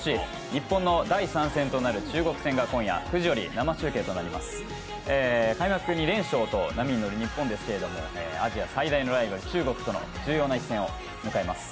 日本の第３戦となる中国戦が今夜、９時より生中継となりますアジア最大のライバル・中国との重要な一戦を迎えます。